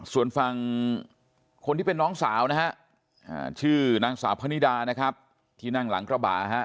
ส่วนฝั่งคนที่เป็นน้องสาวนะฮะชื่อนางสาวพนิดานะครับที่นั่งหลังกระบะฮะ